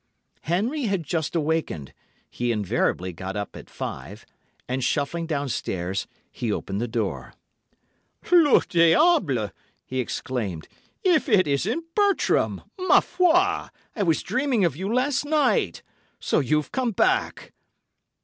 "Henry had just awakened—he invariably got up at five—and shuffling downstairs, he opened the door. "'Le diable!' he exclaimed, 'if it isn't Bertram! Ma foi! I was dreaming of you last night. So you've come back!